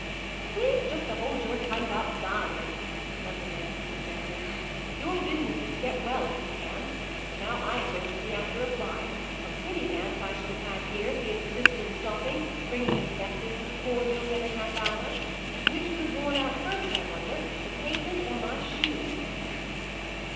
"Please just to hold your tongue about dying," reprimanded Mrs. Jenkins. "Your business is to get well, if you can. And now I am going to see after a fly. A pretty dance I should have had here, if he had persisted in stopping, bringing him messes and cordials every half hour! Which would have worn out first, I wonder the pavement or my shoes?"